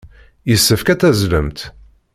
Yessefk ad tazzlemt.